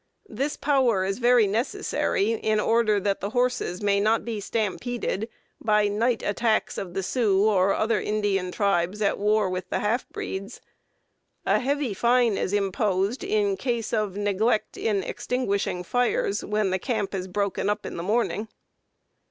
This power is very necessary, in order that the horses may not be stampeded by night attacks of the Sioux or other Indian tribes at war with the half breeds. A heavy fine is imposed in case of neglect in extinguishing fires when the camp is broken up in the morning.